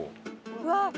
うわっ！